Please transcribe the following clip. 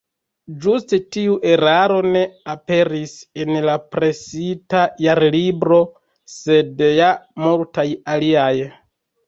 Ĝuste tiu eraro ne aperis en la presita Jarlibro, sed ja multaj aliaj.